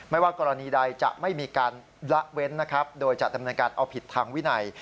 ไม่ว่ากรณีใดจะไม่มีการละเว้นโดยจะทำการเอาผิดทางวิไหน